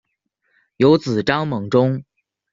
有子张孟中。